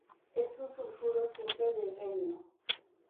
Es un sulfuro simple de renio.